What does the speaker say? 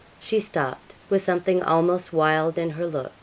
She stopped, with something almost wild in her look.